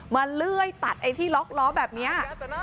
เลื่อยตัดไอ้ที่ล็อกล้อแบบนี้